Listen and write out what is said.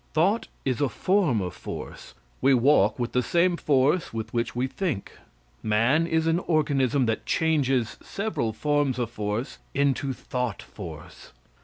Thought is a form of force. We walk with the same force with which we think. Man is an organism that changes several forms of force into thought force.